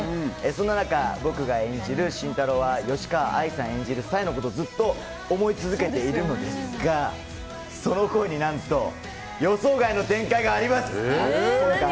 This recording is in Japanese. そんな中、僕が演じる慎太郎は吉川愛さん演じる冴のことをずっと思い続けているんですがその恋に何と予想外の展開があります！